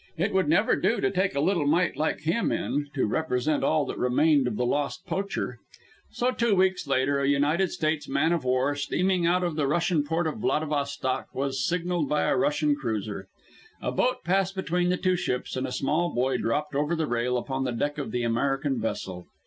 It would never do to take a little mite like him in to represent all that remained of the lost poacher. So, two weeks later, a United States man of war, steaming out of the Russian port of Vladivostok, was signaled by a Russian cruiser. A boat passed between the two ships, and a small boy dropped over the rail upon the deck of the American vessel.